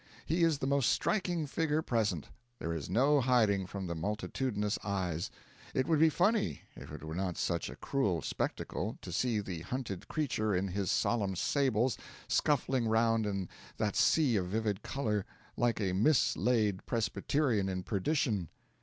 He is the most striking figure present; there is no hiding from the multitudinous eyes. It would be funny, if it were not such a cruel spectacle, to see the hunted creature in his solemn sables scuffling around in that sea of vivid colour, like a mislaid Presbyterian in perdition.